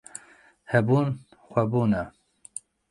Hebûn, xwebûn e.